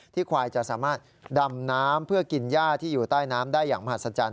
ควายจะสามารถดำน้ำเพื่อกินย่าที่อยู่ใต้น้ำได้อย่างมหัศจรรย